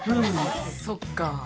そっか。